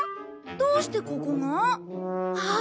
どうしてここが？あっ！